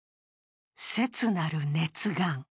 切なる熱願。